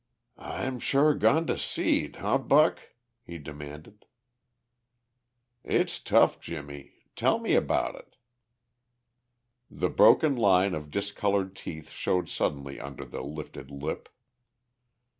"I'm sure gone to seed, huh, Buck?" he demanded. "It's tough, Jimmie. Tell me about it." The broken line of discolored teeth showed suddenly under the lifted lip.